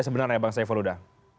sebenarnya bang saifah ruda